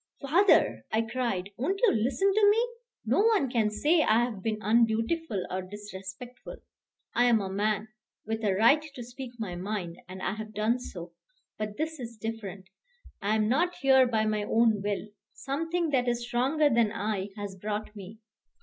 "Father," I cried, "won't you listen to me? No one can say I have been undutiful or disrespectful. I am a man, with a right to speak my mind, and I have done so; but this is different. I am not here by my own will. Something that is stronger than I has brought me.